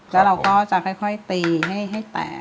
แล้วเราก็จะค่อยตีให้แตก